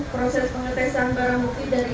pengetesan barang bukti